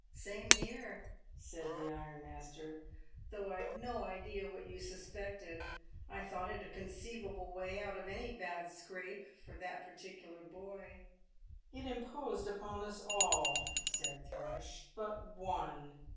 "Same here," said the ironmaster—"though I'd no idea what you suspected. I thought it a conceivable way out of any bad scrape, for that particular boy." "It imposed upon us all," said Thrush, "but one.